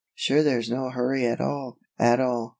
"Sure there's no hurry at all, at all.